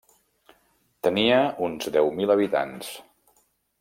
Tenia uns deu mil habitants.